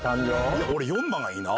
いや俺４番がいいな。